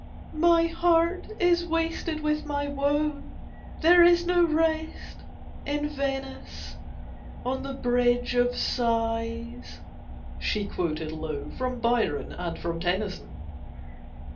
"My heart is wasted with my woe! There is no rest—in Venice, on The Bridge of Sighs!" she quoted low From Byron and from Tennyson.